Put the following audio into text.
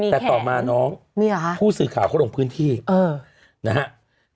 แต่ต่อมาน้องผู้สื่อข่าวเขาลงพื้นที่นะครับ